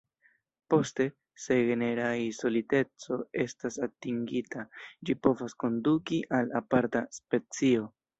Poste, se genera izoliteco estas atingita, ĝi povas konduki al aparta specio.